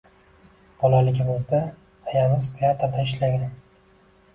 Bolaligimizda ayamiz teatrda ishlagan